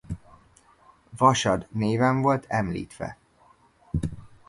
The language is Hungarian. Vasad néven volt említve.